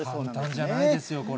簡単じゃないですよ、これ。